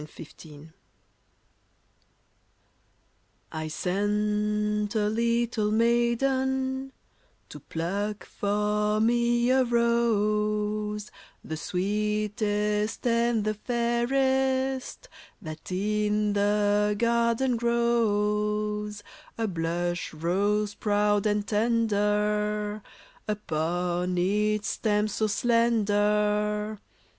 A LATE ROSE I SENT a little maiden To pluck for me a rose, The sweetest and the fairest That in the garden grows — A blush rose, proud and tender, Upon its stem so slender.